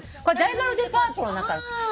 これ大丸デパートの中。